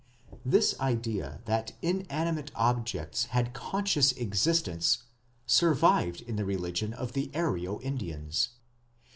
This idea that inanimate objects had conscious existence survived in the religion of the Aryo Indians.